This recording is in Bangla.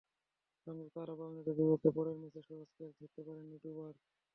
সংযুক্ত আরব আমিরাতের বিপক্ষে পরের ম্যাচে সহজ ক্যাচ ধরতে পারেননি দুবার।